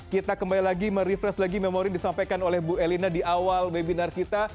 kita kembali lagi merefresh lagi memori yang disampaikan oleh bu elina di awal webinar kita